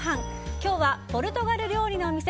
今日はポルトガル料理のお店